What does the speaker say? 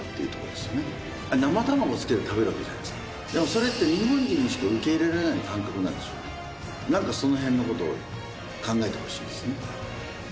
生卵付けて食べるわけじゃないですかでもそれって日本人にしか受け入れられない感覚なんですよなんかそのへんのことを考えてほしいですね